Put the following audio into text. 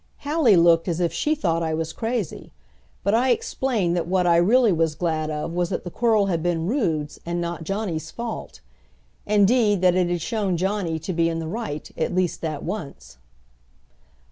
Hallie looked as if she thought I was crazy; but I explained that what I really was glad of was that the quarrel had been Rood's, and not Johnny's fault; indeed that it had shown Johnny to be in the right, at least that once.